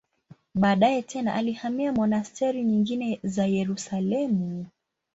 Baadaye tena alihamia monasteri nyingine za Yerusalemu.